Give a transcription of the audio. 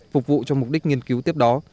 phục vụ cho mục đích nghiên cứu tiếp đó